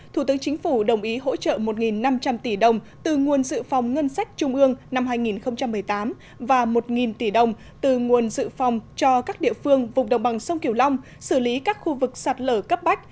thủ tướng chính phủ đồng ý hỗ trợ một năm trăm linh tỷ đồng từ nguồn dự phòng ngân sách trung ương năm hai nghìn một mươi tám và một tỷ đồng từ nguồn dự phòng cho các địa phương vùng đồng bằng sông kiều long xử lý các khu vực sạt lở cấp bách